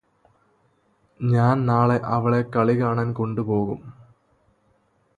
ഞാന് നാളെ അവളെ കളി കാണാൻ കൊണ്ടുപോകും